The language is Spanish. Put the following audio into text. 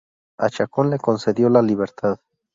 A Chacón le concedió la libertad.